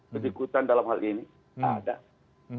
berikutan dalam hal ini